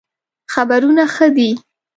خبرونه ښه دئ